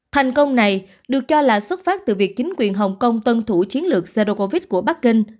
thành công này được cho là xuất phát từ việc chính quyền hong kong tân thủ chiến lược zero covid của bắc kinh